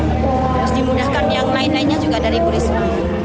terus dimudahkan yang lain lainnya juga dari bu risma